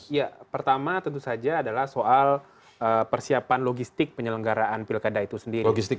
ya pertama tentu saja adalah soal persiapan logistik penyelenggaraan pilkada itu sendiri